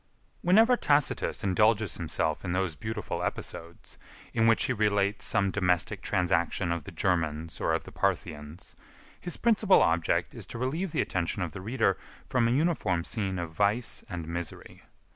Whenever Tacitus indulges himself in those beautiful episodes, in which he relates some domestic transaction of the Germans or of the Parthians, his principal object is to relieve the attention of the reader from a uniform scene of vice and misery.